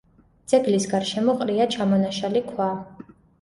ძეგლის გარშემო ყრია ჩამონაშალი ქვა.